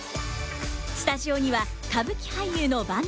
スタジオには歌舞伎俳優の坂東